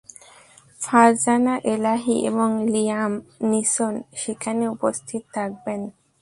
ফারজানা এলাহী এবং Liam Neeson সেখানে উপস্থিত থাকবেন।